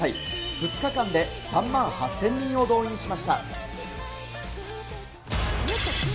２日間で３万８０００人を動員しました。